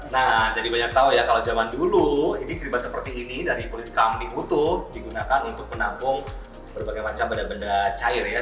nah jadi banyak tahu ya kalau zaman dulu ini keribat seperti ini dari kulit kambing utuh digunakan untuk menampung berbagai macam benda benda cair ya